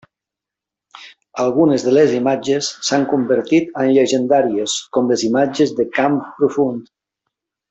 Algunes de les imatges s'han convertit en llegendàries, com les imatges de Camp Profund.